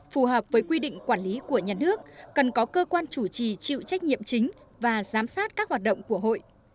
phù hợp với quy định quản lý của nhà nước cần có cơ quan chủ trì chịu trách nhiệm chính và giám sát các hoạt động của hội